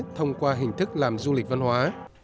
thông qua hình thức làm du lịch văn hóa